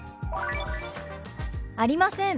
「ありません」。